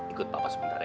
ikut papa sebentar ya